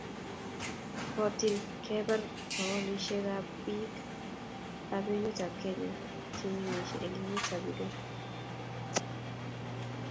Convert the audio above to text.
kotil kebar bokolushek ab biik ab emet ab Kenya chemengishei eng emet ab Uganda